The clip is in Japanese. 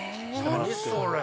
何それ。